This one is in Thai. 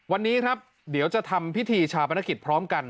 วันนี้ครับเดี๋ยวจะทำพิธีชาปนกิจพร้อมกัน